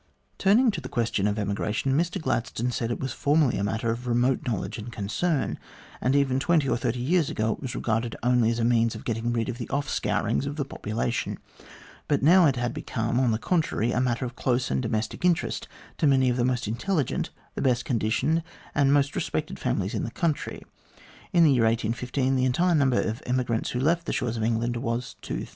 Turning to the question of emigration, Mr Gladstone said it was formerly a matter of remote knowledge and concern, and even twenty or thirty years ago it was regarded only as a means of getting rid of the off scourings of the population, but now it had become, on the contrary, a matter of close and domestic interest to many of the most intelligent, the best conditioned and most respected families in the country. In the year 1815, the entire number of emigrants who left the shores of England was 2000.